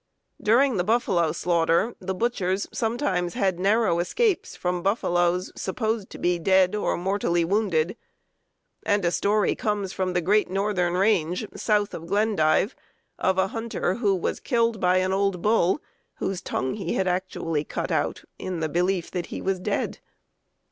During the buffalo slaughter the butchers sometimes had narrow escapes from buffaloes supposed to be dead or mortally wounded, and a story comes from the great northern range south of Glendive of a hunter who was killed by an old bull whose tongue he had actually cut out in the belief that he was dead.